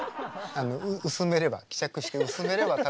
薄めれば希釈して薄めれば多分ちょうどいい。